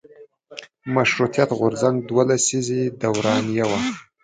مشروطیت غورځنګ دوه لسیزې دورانیه وه.